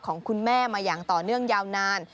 ของคุณแม่มาอย่างต่อเนื่องยาวนาน